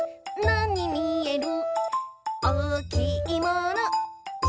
なにみえる？」